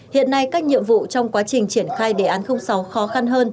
hiện nay các nhiệm vụ trong quá trình triển khai đề án sáu khó khăn hơn